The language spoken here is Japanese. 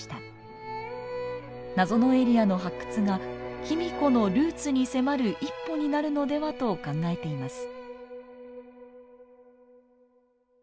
謎のエリアの発掘が卑弥呼のルーツに迫る一歩になるのではと考えています。